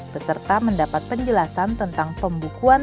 peserta mendapat penjelasan tentang pembukuan